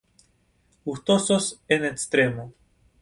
Gustosos en extremo